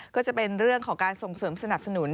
ก็จะเป็นเรื่องของการส่งเสริมสนับสนุน